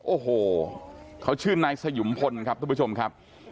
โอ้โหเขาชื่อนายสยุมพลครับทุกผู้ชมครับ